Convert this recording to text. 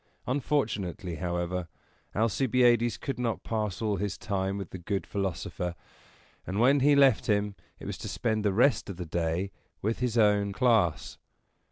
Unfortunately, however, Alcibiades could not pass all his time with the good philosopher, and when he left him it was to spend the rest of the day with his own class.